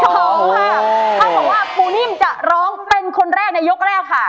เอาบอกว่าปูนิ่มจะร้องเป็นคนแรกในยกแรกค่ะ